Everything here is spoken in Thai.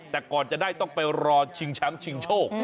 แต่ก่อนจะได้ต้องไปรอชิงแชมป์ชิงโชค